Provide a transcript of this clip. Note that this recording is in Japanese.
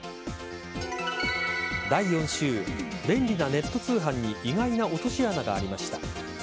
第４週便利なネット通販に意外な落とし穴がありました。